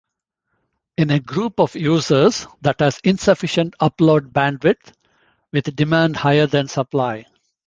In a group of users that has insufficient upload-bandwidth, with demand higher than supply.